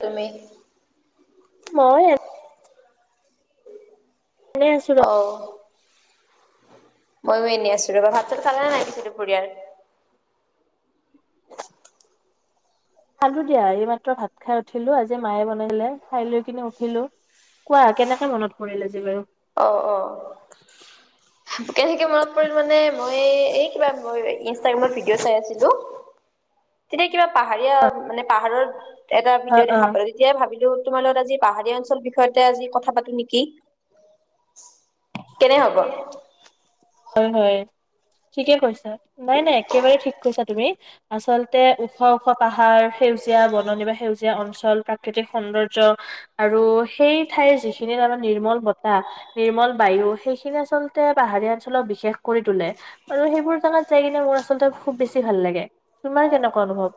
তুমি মই এনে আছো ৰ অ' ময়ো এনে আছোঁ ৰবা, ভাত চাত খালা নে নাই তুমি দুপৰীয়াৰ? খালোঁ দিয়া এই মাত্ৰ ভাত খাই উঠিলোঁ আজি মায়ে বনালে খাই লৈ কিনে উঠিলোঁ। কোৱা কেনেকে মনত পৰিল আজি বাৰু? অ' অ' কেনেকে মনত পৰিল মানে মই এই কিবা মই ইনষ্টাগ্ৰামত ভিডিঅ' চাই আছিলোঁ তেতিয়া কিবা পাহাৰীয়া মানে পাহাৰৰ এটা অ ভিডিঅ' অ দেখা পালোঁ তেতিয়াই ভাবিলোঁ তোমাৰ লগত আজি পাহাৰীয়া অঞ্চলৰ বিষয়তে আজি কথা পাতোঁ নেকি? কেনে কি হ'ব হয় হয় ঠিকে কৈছা, নাই নাই একেবাৰে ঠিক কৈছা তুমি। আচলতে ওখ ওখ পাহাৰ সেউজীয়া বননি বা সেউজীয়া অঞ্চল প্ৰাকৃতিক সৌন্দৰ্য্য আৰু সেই ঠাইৰ যিখিনি তাৰমানে নিৰ্মল বতাহ, নিৰ্মল বায়ু সেইখিনি আচলতে পাহাৰীয়া অঞ্চলক বিশেষ কৰি তোলে। আৰু সেইবোৰ জাগাত যায় কিনে মোৰ আচলতে খুব বেছি ভাল লাগে, তোমাৰ কেনেকুৱা অনুভৱ?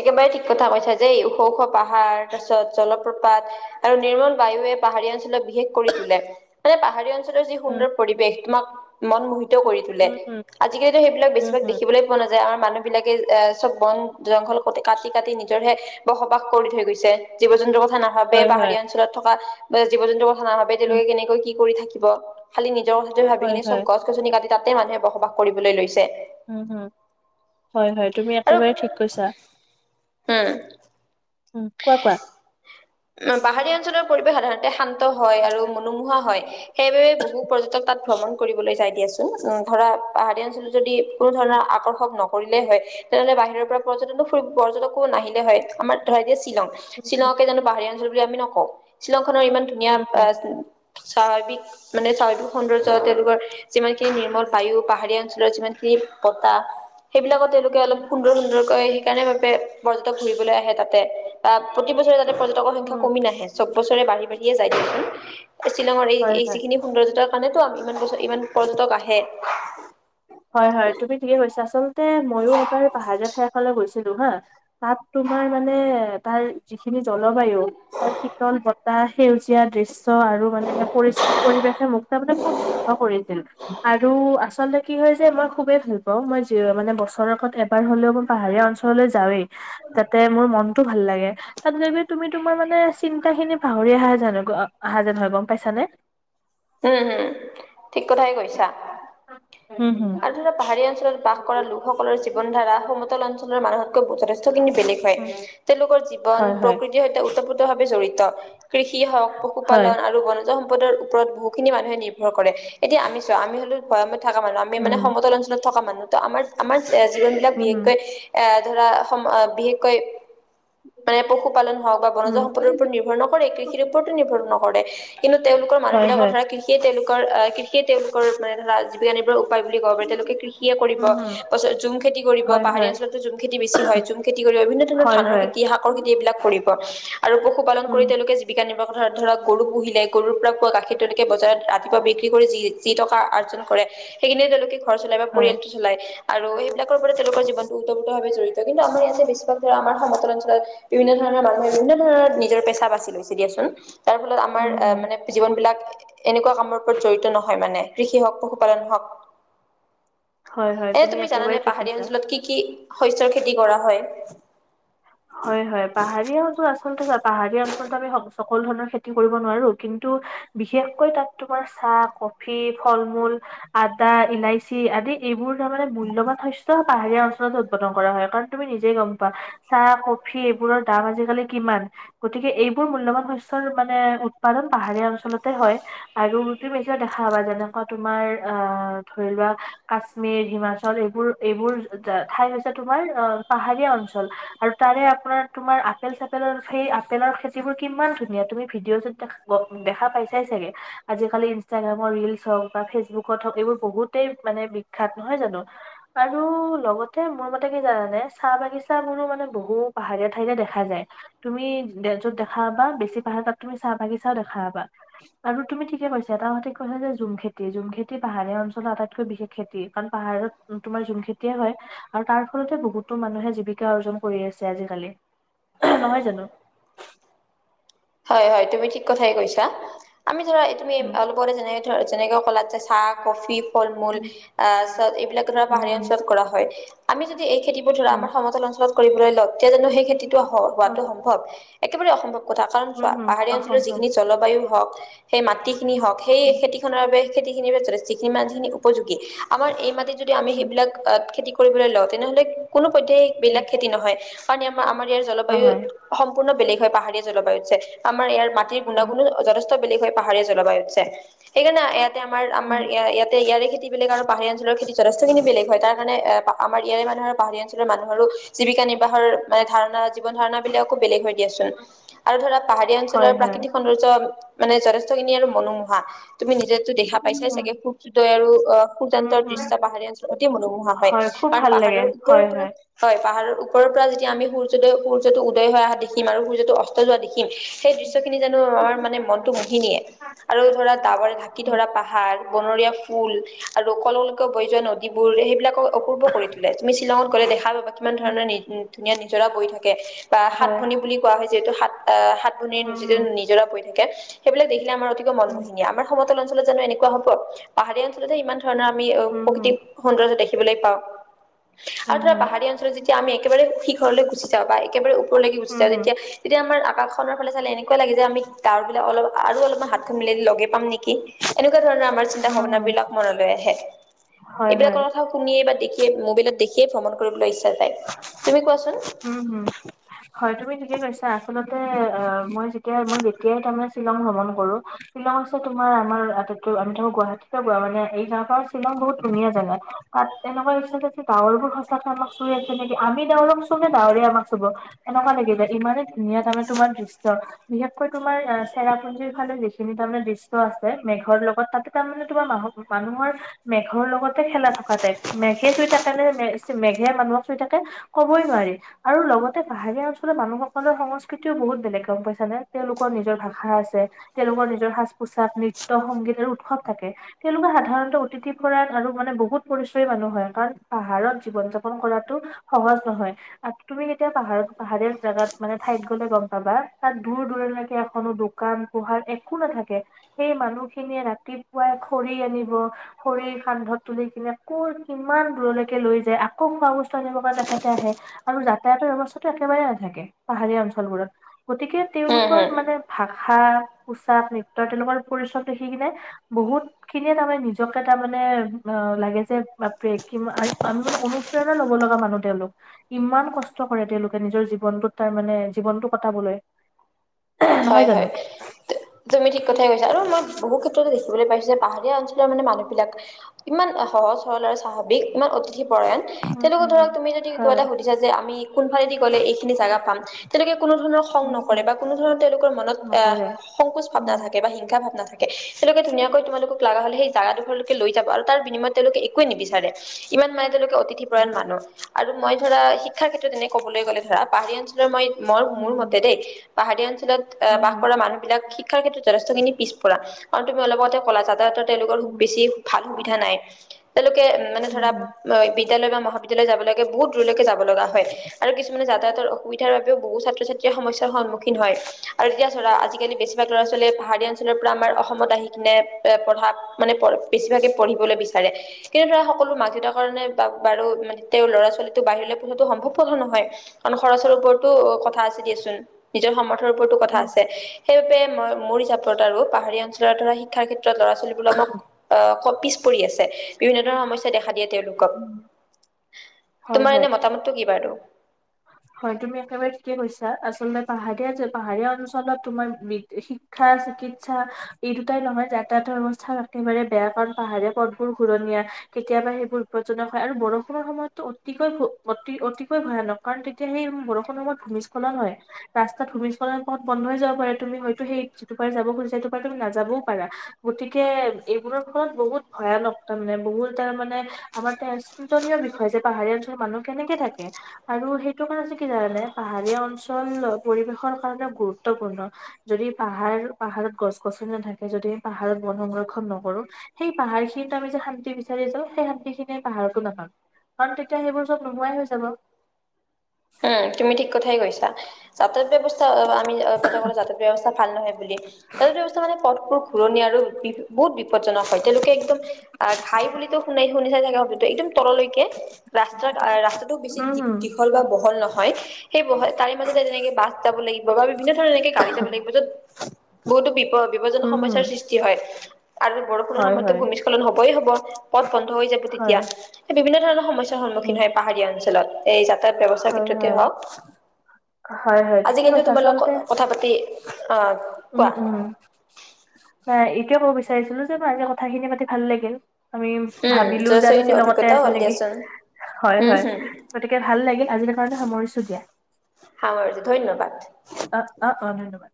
একেবাৰে ঠিক কথা কৈছা যে এই ওখ ওখ পাহাৰ তাৰ পিছত জলপ জলপ্ৰপাত আৰু নিৰ্মল বায়ুৱে পাহাৰীয়া অঞ্চলক বিশেষ কৰি তোলে, মানে পাহাৰীয়া মুঠতে যি উম সুন্দৰ পৰিবেশ তোমাক মন মোহিত কৰি তোলে, উম উম আজিকালিতো সেইবিলাক উম, বেছিভাগ হুম, দেখিবলৈ পোৱা নাযায় আমাৰ মানুহ বিলাকে এই চব বন জংঘল কাটি কাটি নিজৰহে বসবাস কৰি থৈ গৈছে, জীৱ-জন্তুৰ কথা নাভা ভাবে হয়, হয়, পাহাৰীয়া অঞ্চলত থকা বা জীৱ-জন্তুৰ কথা নাভাবে উম, তেওঁলোকে কেনেকৈ কি কৰি থাকিব। খালি নিজৰ কথাটো ভাবি হয়, কিনে হয়, চব গছ-গছনি কাটি তাতে মানুহে বসবাস কৰিবলৈ লৈছে। উম হুম হয় হয় তুমি একেবাৰে ঠিক কৈছা। হে। উ, কোৱা কোৱা। পাহাৰীয়া অঞ্চলৰ পৰিৱেশ সাধাৰণতে শান্ত হয় আৰু মনোমোহা হয়। সেইবাবে বহু পৰ্যটক তাত ভ্ৰমণ কৰিবলৈ যায় দিয়াচোন, ধৰা পাহাৰীয়া অঞ্চলত যদি কোনো ধৰণৰ আকৰ্ষক নকৰিলেই হয় তেনেহ'লে বাহিৰৰ পৰা পৰ্যটন ফু পৰ্যটকো নাহিলে হয়, আমাৰ ধৰা এতিয়া শ্বিলং উম, শ্বিলংকে জানো পাহাৰীয়া অঞ্চল বুলি আমি নকওঁ, শ্বিলংখনৰ ইমান ধুনীয়া হুম, হুম, আহ স্বাভাৱিক মানে স্বাভাৱিক সৌন্দৰ্যই তেওঁলোকৰ যিমানখিনি নিৰ্মল বায়ু, পাহাৰীয়া অঞ্চলৰ যিমানখিনি বতাহ সেইবিলাকত তেওঁলোকে অলপ সুন্দৰ সুন্দৰকৈ সেইকাৰণে বাবে পৰ্যটক ঘুৰিবলৈ আহে তাত। তে তাত প্ৰতি বছৰে যাতে পৰ টকৰ সংখ্যা উম, কমি নাহে, চব বছৰে বাঢ়ি বাঢ়িয়ে যায় দিয়াচোন। শ্বিলঙৰ এই হয়, এই হয়। যিখিনি সৌন্দৰ্যতাৰ কাৰণেতো ইমান বছৰ ইমান পৰ্যটক আহে। হয় হয় তুমি ঠিকে কৈছা। আচলতে মইও এবাৰ পাহাৰীয়া ঠাইখনলৈ গৈছিলোঁ হা তাত তোমাৰ মানে তাৰ যিখিনি জলবায়ু তাৰ শীতল বতাহ সেউজীয়া দৃশ্য আৰু মানে পৰিষ্কাৰ পৰিৱেশে মোক তাৰমানে খুব [unintelligible] আৰু আচলতে কি হয় যে মই খুবেই ভাল পাওঁ, মই যি মানে বছৰ আগত এবাৰ হ'লেও মই পাহাৰীয়া অঞ্চললৈ যাওঁৱেই। তাতে মোৰ মনটো ভাল লাগে। তাতে যাই তুমি তোমাৰ মানে চিন্তাখিনি পাহৰি অহা যেন অহা যেন হয় গম পাইছানে। উম, হুম, ঠিক কথাই কৈছা। হু, হু। আৰু পাহাৰীয়া অঞ্চলত বাস কৰা লোকসকলৰ জীৱন ধাৰা, সমতল অঞ্চলৰ মানুহ যথেষ্টখিনি বেলেগ হয়, তেওঁলোকৰ জীৱন হয় হয় প্ৰকৃতিৰ সৈতে ওতপ্ৰোত ভাৱে জড়িত। কৃষি হওক, হয় পশুপালন আৰু বন সম্পৰ ওৰত বহুখিনি মানুহে নিৰ্ভৰ কৰে, এতিয়া আমি চোৱা আমি হ'লো ভৈয়ামত থকা মানুহ আমি মানে উম সমতল অঞ্চলত থকা মানুহ ত' আমাৰ আমাৰ জীৱনবিলাক উম হুম বিশেষকৈ এ, ধৰা সম বিশেষকৈ মানে পশুপালন হওক বা বনজ উম, সম্পদৰ ওপৰত নিৰ্ভৰ নকৰে কৃষিৰ ওপৰতো নিৰ্ভৰ নকৰে। কিন্তু তেওঁলোকৰ হয় মানুহবিলাকৰ হয়, ধৰা কৃষিয়ে তেওঁলোকৰ আহ, কৃষিয়ে তেওঁলোকৰ মানে ধৰা জীৱিকা নি উপাই বুলি ক'ব পাৰি, তেওঁলোকে কৃষিয়ে কৰিব। পাছত জুম খেতি কৰিব হয় হয়, পাহাৰীয়া অঞ্চলততো জুম খেতি বেছি হয় জুম খেতি কৰিব, বিভিন্ন ধৰণৰ হয় ধানৰ হয়, খেতি হওক কৰ খেতি এইবিলাক কৰিব আৰু পশু পালন উম, কৰি তেওঁলোকে জীৱিকা নিৰ্বাহ ধৰক গৰু পুহিলে গৰুৰ পৰা পোৱা গাখীৰ তেওঁনেকে বজাৰত ৰাতিপুৱা বিক্ৰী কৰি যি যি টকা অৰ্জন কৰে সেইখিনি তেওঁলোকে ঘৰ চলাই বা হয়, পৰিয়ালটো চলায়। আৰু এইবিলাকৰ পৰা তেওঁলোকৰ জীৱনটো ওতপ্ৰোত ভাৱে জড়িত কিন্তু আমাৰ ইয়াতে বেছভাগ ধৰা আমাৰ সমতল অঞ্চলত বিভিন্ন ধৰণৰ মানুহে বিভিন্ন ধৰণৰ নিজৰ পেছা বাচি লৈছে দিয়াচোন, তাৰ ফলত আমাৰ উম, হুম। মানে জীৱনবিলাক এনেকুৱা কামৰ ওপৰত জড়িত নহয় মানে, কৃষি হওক পশুপালন হওক। হয় হয়, এনে তুমি একেবাৰে জানানে ঠিক পাহাৰীয়া কৈছা। অঞ্চলত কি কি শস্যৰ খেতি কৰা হয়? হয় হয় পাহাৰীয়া য আচলতে চোৱা পাহাৰীয়া অঞ্চলত আমি সকলো ধৰণৰ খেতি কৰিব নোৱাৰো কিন্তু বিশেষকৈ তাত তোমাৰ চাহ, কফি, ফল মূল আদা, ইলাইচি আদি এইবোৰ তাৰ মানে মূল্যবান শস্য পাহাৰীয়া অঞ্চলত উৎপাদন কৰা হয়। কাৰণ তুমি নিজেই গম পোৱা চাহ, কফি এইবোৰৰ দাম আজিকালি কিমান। গতিকে এইবোৰ মূল্যবান শস্যৰ মানে উৎপাদন পাহাৰীয়া অঞ্চলতে হয়। আৰু তুম নিজৰ দেখা পাবা যেনেকুৱা তোমাৰ আহ, ধৰি লোৱা কাশ্মীৰ, হিমাচল এইবোৰ এইবোৰ ঠাই হৈছে তোমাৰ- অঁ পাহাৰীয়া অঞ্চল আৰু তাৰে আপোনাৰ তোমাৰ আপেল চাপেলৰ সেই আপেলৰ- এইবোৰ কিমান ধুনীয়া তুমি ভিডিঅ'তো দেখা পাইছাই চাগে। আজিকালি ইনষ্টাগ্ৰামৰ ৰিলছ হওঁক বা ফেচবুকত হওঁক এইবোৰ বহুতেই বিখ্যাত নহয় জানো। আৰু লগতে মোৰ মতে কি- জানানে চাহ বাগিচ বোৰো মানে বহো পাহাৰীয়া ঠাইতহে দেখা যায়। তুমি যত দেখা পাবা বেছি পাহাৰ তাত তুমি চাহ বাগি চাও দেখা পাবা। আৰু তুমি ঠিকে কৈছা এটা সতে কৈছা যে জুম খেতি জুমখেতি পাহাৰীয়া অঞ্চলৰ আটাইতকৈ বিশেষ খেতি কাৰণ পাহাৰত- তোমাৰ জুম খেতিয়ে হয়ঁ আৰু তাৰ- আচলতে বহুতো মানুহে জীৱিকা অৰ্জন কৰি আছে আজিকালি নহয় জানো? হয়ঁ হয়ঁ তুমি ঠিক কথাই কৈছা, আমি ধৰা তুমি উম অলপ- আগতে যেনেক ধৰা যেনেকে কলাত যে চাহ কফি ফল মূল- উম আহ চব এইবিলাক ধৰা উম পাহাৰীয়া হম অঞ্চলত কৰা হয়। আমি যদি এই খেতিবোৰ ধৰা উম আমাৰ সমতল অঞ্চলত কৰিবলৈ লওঁ তেতিয়া জানো সেই খেতিটো অ হোৱাটো সম্ভৱ। একেবাৰে অসম্ভৱ কথা কাৰণ উম চোৱা হম পাহাৰীয়া অঞ্চলৰ অসম্ভৱ যিখিনি জলবায়ু হওঁক, সেই মাটিখিনি হওঁক- সেই খেতিখনৰ বাবে খেতিখিনিৰ যথেষ্টিখিনি মানহখিনি উপযোগী। আমাৰ এই মাটিত যদি আমি উম সেইবিলাক খেতি - কৰিবলৈ লওঁ তেনেহ'লে কোনো পধ্যয় বিলাক উম খেতি নহয়। কাৰণ আমাৰ আমাৰ ইয়াৰ জলবায়ু- নহয় সম্পূৰ্ণ বেলেগ হয়ঁ পাহাৰীয়া জলবায়ুত যে। আমাৰ ইয়াৰ মাটিৰ উম গুণাগুণো যথেষ্ট বেলেগ হৈ পাহাৰীয়া জলবায়ুতছে। সেইকাৰণে ইয়াতে আমাৰ আমাৰ উম ইয়াতে ইয়াৰে খেতি বেলেগ আৰু পাহাৰীয়া অঞ্চলৰ খেতি যথেষ্টখিনি বেলেগ হয় তাৰ কাৰণে- আমাৰ ইয়াৰে মানুহৰ পাহাৰীয়া অঞ্চলৰ মানুহৰো জীৱিকা নিৰ্বাহৰ মানে ধাৰণা জীৱনাৰণাব বিলাককো বেলেগ হৈ দিয়াচোন। আৰু ধৰা পাহাৰীয়া অঞ্চলৰ হয় হয় প্ৰাকৃতিক সৌন্দৰ্য মানে যথেষ্টখিনি আৰু মনোমোহা। তুমি নিজেতো দেখা পাই চাই উম চাগে সুখদয় আৰু আহ সুখ উম যান্তৰ উম দৃশ্য বাহাৰীয়া অঞ্চলত অতি মনোমোহা হয়ঁ। হয় খুব কাৰণ ভাল লাগে পাহাৰৰ ওপৰৰ হয় পৰা- হয় হয়ঁ পাহাৰৰ ওপৰ পৰা যদি আমি সৰ্যদয়ূৰ্যটো উদয় হৈ অহা দেখিম, আৰু সূৰ্যটো অস্ত যোৱা দেখি- শিকিম সেই দৃশ্যখিনি জানো আমাৰ মানে মনটো ভাঙি নিয়ে। আৰু ধৰা ডাৱৰে ঢাকি উম ধৰা পাহাৰ, বনৰীয়া ফুল আৰু কল কল কৈ বৈ যোৱা নদী- যিবোৰ সেইবিলাকক অপূৰ্ব কৰি তোলে তুমি শ্বিলঙত গ'লে দেখা পাবা কিমান উম ধৰণৰ ধুনীয়া নিজৰা বৈ থাকে। বা সাত হয় ভনী বুলি কোৱা হঁয় যিহেতু সাত ভনী আহ সাত ভনীৰ যিটো উম নিজৰা পৰি থাকে। সেইবিলাক দেখিলে আমাৰ অতিকৈ উম মনমোহিনীয়া আমাৰ সমতল অঞ্চলত জানোএনেুৱা হব? পাহাৰীয়া অঞ্চলতে ইমান ধৰণৰ আমি অঁ উম উম প্ৰকৃতিক- সৌন্দৰ্য দেখিবলৈ পাওঁ আৰু উম ধৰা উম পাহাৰী অঞ্চলত যেতিয়া আমি একেবাৰে সি ঘৰলৈ গুচি - যাওঁ বা একেবাৰে ওপৰলৈকে গুচি উম যাওঁ উম তেতি তেতিয়া আমাৰ- আকাশখনৰ ফালে চালে এনেকুৱা লাগে যে আমি ডাৱৰবিলাক অলপ আৰু অলপমান হাত খন মিলাই দিলে লগে পাম নেকি? এনেকুৱা ধৰণৰ চিন্তা উম ধাৰণা উম বিলাক মনলৈ আহে। হয় হয় এইবিলাকৰ কথাও শুনিয়ে বা দেখিয়ে মোবাইলত দেখি- ভ্ৰমণ কৰিবলৈ ইচ্ছা যায়। তুমি কোৱাচোন? হয়ঁ তুমি ঠিকে কৈছা আচলতে অঁ মই যেতিয়া মই যেতিয়াই তাৰমানে শ্বিলং ভ্ৰমণ কৰো। শ্বিলং হৈছে তোমাৰ আমাৰ আটাইতকৈ আমি থাকো গুৱাহাটীতে মানে এই গাঁওখন শ্বিলং বহুত ধুনীয়া জেগা। তাত তেনেকুৱা পিছতে গাৱৰবোৰ সঁচাকৈ আমাক- তুই আছে নেকি আমি দেৰক চুন নে ডাৱৰে আমাক চুব এনেকুৱা লাগিলে ইমানে, ধুনিয় তাৰমানে তোমাৰ দৃশ্য। বিশেষকৈ তোমাৰ চেৰা পু্জিৰ ফালে যিখিনি তাৰমানে দৃশ্য আছে মেঘৰ লগত তাতে তাৰমানে তোমাৰ মাহত- মানুহৰ মেঘৰ লগতে খেলা থকাতোই মেঘে চুই থাকে নে মেঘ- সে মানুহক চুই থাকে ক'বই নোৱাৰি। আৰু লগতে পাহাৰীয়া অঞ্চলৰ মানুহসকলৰ সংস্কৃতিও বহুত বেলেগ গম পাইছা নে, তেওঁলোকৰ নিজৰ ভাষা আছে। তেওঁলোকৰ নিজৰ সাজ পোছাক, নৃত্য সংগীত আৰু উৎসৱ থাকে। তেওঁলোকে সাধাৰণতে অতিথি ফৰাত আৰু মানে বহুত পৰিচয়ী মানুহ হয়, কাৰণ পাহাৰত জীৱন যা পন কৰাতো সহজ নহয়। তুমি যেতিয়া পাহাৰত পাহাৰীয়া জোগাত মানে ঠাইত গ'লে গম পাবা তাত দূৰ দূৰলৈকে এখনো দোকান পহাৰ একো নাথাকে। সেই মানুহ খিনিয়ে ৰাতিপুৱাই খৰি আনিব খৰি কান্ধত তুলি কিনে আকৌ কিমান দূৰলৈকে লৈ যায়। কৌ খোৱা বস্তু আনিবৰ দেখাতে আহে। আৰু যাতায়াতৰ ব্যবস্থাটো একেবাৰেই নাথাকে পাহাৰীয়া অঞ্চলবোৰত। গতিকে উম, তেওঁলোকৰ হুম। মানে, ভাষা পোচাক নৃত্য তেনেকুৱা পৰিচয় দেখি কিনে বহুত খিনিয়ে তাৰমানে নিজকে তাৰ মানে অঁ লাগে যে বাপৰে কি আমি মানে অনু প্ৰেৰণা লব লগা মানুহ তেওঁলোক। ইমান কষ্ট কৰে তেওঁলোকে নিজৰ জীৱনটোত তাৰ মানে জীৱনটো কটাবলৈ। নহয় হয় জানো হয়, তুমি ঠিক কথাই কৈছা আৰু মই বহু ক্ষেত্ৰতে দেখিবলৈ পাইছো যে, পাহাৰীয়া অঞ্চলৰ মানে মানুহবিলাক কিমান সহজ সৰল আৰু স্বাভাৱিক ইমান অতিথিপৰায়ণ। উম তেওঁলকোকক উম ধৰা তুমি যদি কিবা হয় এটা শুধিছা যে আমি কোনফালেদি গ'লে এইখিনি জেগা পাম, তেওঁলোকে কোনোধৰণৰ খং উম, নকৰে উম, বা কোনো ধৰণৰ তেওঁলোকৰ মনত নকৰে সংকুচ ভাৱ উম নাথাকে বা হিংসা ভাৱ নাথাকে। তেওঁলোকে ধুনীয়াকৈ তোমালোকক লগা হ'লে সেই জাগা দুখৰলৈকে লৈ যাব আৰু তাৰ বিনিময়ত তেওঁলোকে একোৱেই নিবিচাৰে। কিমান মানে তেওঁলোকে অতিথি পৰায়ণ মানুহ। আৰু মই ধৰা শিক্ষাৰ ক্ষেত্ৰত এনেই ক'বলৈ গ'লে ধৰা পাহাৰীয়া অঞ্চলৰ মই মই উম মোৰ মতে উম দেই, পাহাৰীয়া অঞ্চলত উম বাস হম কৰা মানুহবিলাক শিক্ষাৰ ক্ষেত্ৰত যথেষ্টখিনি পিছত পৰা। আৰু তুমি অলপ আগতে ক'লা যাতায়তৰ তেওঁলোকৰ উম বেছি ভাল সুবিধা নাই। তেওঁলোকে মানে ধৰা উম বিদ্যালয় বা মহাবিদ্যালয় যাবলৈকে বহুত দূৰলৈকে যাব লগা হয়। আৰু কিছুমানে যাতায়াতৰ অসুবিধাৰ বাবেও বহু ছাত্ৰ ছাত্ৰীয়ে সমস্যাৰ সন্মুখীন হয়। আৰু এতিয়া চোৱা, আজিকালি বেছিভাগ ল'ৰা ছোৱালীয়ে পাহাৰীয়া অঞ্চলৰ পৰা আমাৰ অসমত আহি কিনে পঢ়াত মানে পঢ় বেছিভাগে পঢ়িবলে বিচা ৰে কিন্তু ধৰা সকলো মাক দেউতাকৰ কাৰণে বা বাৰু মানে তেওঁ ল'ৰা ছোৱালীতটো বাহিৰলৈ প টো সম্ভৱ নহয়, কাৰণ খৰচৰ ওপৰতো কথা আছে দিয়াচোন নিজৰ সাম থৰ ওপৰতো কথা উম আছে। সেইবাবে মই মোৰ হিচাপত আৰু পাহাৰীয়া অঞ্চলৰ ধৰা শিক্ষাৰ ক্ষেত্ৰত ল'ৰা ছোৱালীবিলাক অঁহ পিছ পৰি আছে, বিভিন্ন ধৰণৰ সমস্যাই‌ দেখা দিয়ে তেওঁলোকক। হয় তোমাৰ এনেই হয় মতামতটো কি বাৰু? হয় তুমি একেবাৰে ঠিকেই কৈছা, আচলতে পাহাৰীয়া পাহাৰীয়া অঞ্চলত তোমাৰ শি ক্ষা, চিকিৎসা এই দুটাই নহয় যাতায়াতৰ অৱস্থা একেবাৰে বেয়া, কাৰণ পাহাৰীয়া পথবোৰ ঘূৰণীয়া। কেতিয়াবা সেইবোৰ বিপদজনক হয় আৰু বৰষুণৰ সময়তো অতি অতিকৈ ভয়ানক, কাৰণ তে তিয়া সেই বৰষুণৰ সময়ত ভূমিস্খলন হয়। ৰাস্তাত ভূমিস্খলন ফলত বন্ধ যাব পাৰে, তুমি হয়তো সেই যিটো পাৰ যাব খুজিছা সেইটোপাৰ তুমি নাযাবও পাৰা। গতিকে এইবোৰৰ ফলত বহুত ভয়ানক, তাৰমানে বহুত তাৰ মানে আমাৰ চিন্তনীয় বিষয় যে পাহাৰীয়া অঞ্চলৰ মানুহ কেনেকে থাকে আৰু সেই এইটো কাৰণটো কি জানানে পাহাৰীয়া অঞ্চল পৰিৱেশৰ কাৰণে গুৰুত্বপূৰ্ণ। যদি পাহাৰ পাহাৰত গছ গছনি নাথাকে যদি পাহাৰত বন সংৰক্ষন নকৰো, সেই পাহাৰ খিনিত আমি যে শান্তি বিচাৰি যাওঁ, সেই শান্তি খিনিয়ে পাহাৰটো নাপাম। কাৰণ, তেতিয়া সেইবোৰ চব নোহোৱাই হৈ যাব। উম, তুমি ঠিক কথাই কৈছা, যাতায়ত ব্যৱস্থা আমি [unintelligible] ব্যৱস্থা ভাল নহয় বুলি। যাতায়ত ব্যৱস্থা মানে পথবোৰ ঘূৰণীয়া আৰু বহুত বিপদজনক হয়, তেওঁলোকে একদম আ ঘাই বুলিটো শুনাই শুনিছাই ছাগে [unintelligible] একদম তললৈকে ৰাস্তা আ ৰাস্তাটো বেছি দী উম হুম -দীঘল বা বহল নহয় সেই বহল তাৰে মাজতে [unintelligible] বাছ যাব লাগিব বা বিভিন্ন ধৰণ এনেকে গাড়ী যাব লাগিব য'ত বহুতো বিপ -বিপদজন উম হুম সমস্যাৰ সৃষ্টি হয়। আৰু বৰষুণৰ হয় সময়তো হয় ভূমিস্খলন হ'বই হ'ব পথ বন্ধ হৈ যাব তেতিয়া। হয় বিভিন্ন ধৰণৰ সমস্যয়াৰ উম সন্মুখীন হয় পাহাৰীয়া অঞ্চলত এই যাতায়াত ব্যৱস্থাৰ হয় ক্ষেত্ৰতে হয়। হওঁক। হয় হয় আজি ঠিকে কিন্তু কৈছা তোমালোক আচলতে কথা পাতি আ কোৱা [unintelligible] এইটোৱে ক'ব বিচাৰিছিলো যে মই আজি কথাখিনি পাতি ভাল লাগিল। আমি উম ভাবিলোঁ যে আমি যথেষ্টখিনি শ্বিলঙতে অভিজ্ঞতাও আছো হ'ল নেকি। দিয়াচোন। হয়, উম হয় হুম গতিকে ভাল লাগিল আজিৰ কাৰণে সামৰিছো দিয়া। সামৰিলো ধন্যবাদ। অ অ অ ধন্যবাদ।